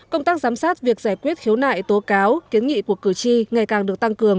công tác giám sát việc giải quyết khiếu nại tố cáo kiến nghị của cử tri ngày càng được tăng cường